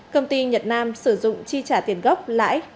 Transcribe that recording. công ty nhật nam sử dụng chi trả tiền gốc lãi